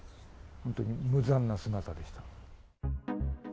本当に無残な姿でした。